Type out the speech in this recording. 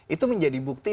itu menjadi bukti